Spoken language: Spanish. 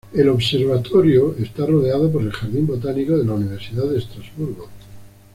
El observatorio está rodeado por el Jardín Botánico de la Universidad de Estrasburgo.